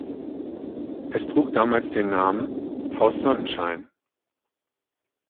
Es trug damals den Namen "Haus Sonnenschein".